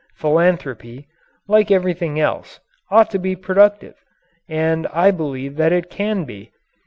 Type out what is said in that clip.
Philanthropy, like everything else, ought to be productive, and I believe that it can be.